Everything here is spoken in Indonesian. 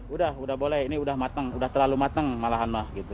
udah udah boleh ini udah matang udah terlalu mateng malahan mah gitu